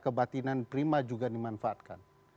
perhatian prima juga dimanfaatkan